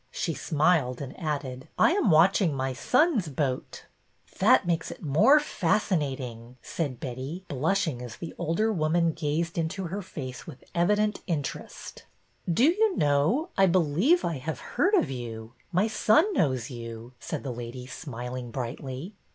She smiled, and added, '' I am watching my son's boat." '' That makes it more fascinating," said Betty, blushing as the older woman gazed into her face with evident interest. 92 BETTY BAIRD'S VENTURES Do you know, I believe I have heard of you. My son knows you," said the lady, smil ing brightly.